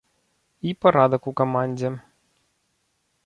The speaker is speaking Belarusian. І парадак у камандзе.